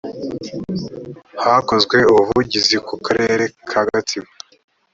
hakozwe ubuvugizi ku karere ka gatsibo